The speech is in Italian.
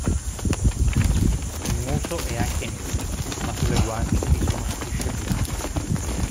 Il muso è anche nero, ma sulle guance vi sono strisce bianche.